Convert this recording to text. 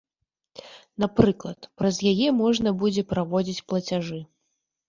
Напрыклад, праз яе можна будзе праводзіць плацяжы.